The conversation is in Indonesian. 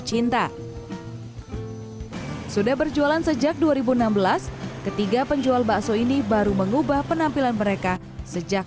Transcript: cinta sudah berjualan sejak dua ribu enam belas ketiga penjual bakso ini baru mengubah penampilan mereka sejak